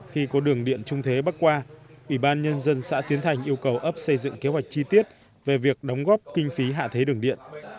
khi có đường điện trung thế bắc qua ủy ban nhân dân xã tiến thành yêu cầu ấp xây dựng kế hoạch chi tiết về việc đóng góp kinh phí hạ thế đường điện